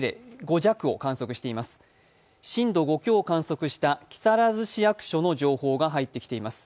震度５強を観測した木更津市役所の情報が入ってきております。